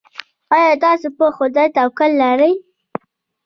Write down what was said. ایا تاسو په خدای توکل لرئ؟